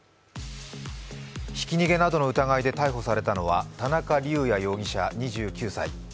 ひき逃げなどの疑いで逮捕されたのは田中龍也容疑者２９歳。